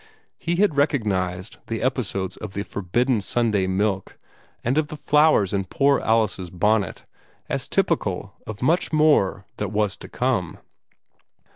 He had recognized the episodes of the forbidden Sunday milk and of the flowers in poor Alice's bonnet as typical of much more that was to come.